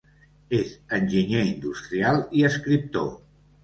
És enginyer industrial i escriptor.